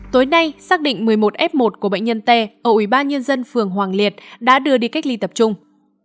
tối nay xác định một mươi một f một của bệnh nhân t q t ở ubnd phường hoàng liệt đã đưa đi cách ly tập trung